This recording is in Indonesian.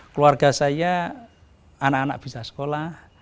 keluarga saya anak anak bisa sekolah